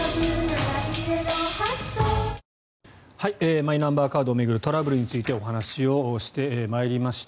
マイナンバーカードを巡るトラブルについてお話をしてまいりました。